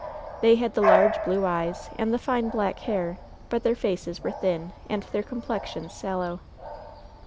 They had the large blue eyes and the fine black hair, but their faces were thin and their complexions sallow.